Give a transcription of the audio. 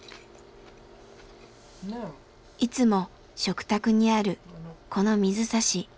いつも食卓にあるこの水差し。